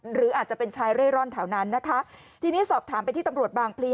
หรืออาจจะเป็นชายเร่ร่อนแถวนั้นนะคะทีนี้สอบถามไปที่ตำรวจบางพลี